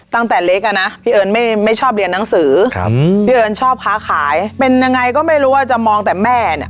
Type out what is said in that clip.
ตั้งแต่เล็กอ่ะนะพี่เอิญไม่ไม่ชอบเรียนหนังสือครับพี่เอิญชอบค้าขายเป็นยังไงก็ไม่รู้ว่าจะมองแต่แม่เนี่ย